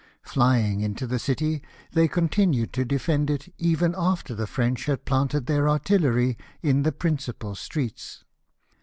Flying into the city, they continued to defenrl it, even after the French had planted their artillery in the principal streets.